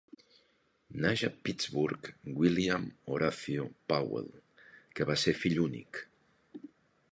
Naix a Pittsburgh William Horatio Powell, que va ser fill únic.